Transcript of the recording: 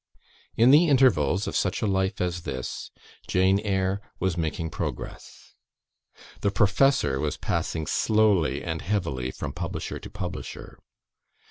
In the intervals of such a life as this, "Jane Eyre" was making progress. "The Professor" was passing slowly and heavily from publisher to publisher.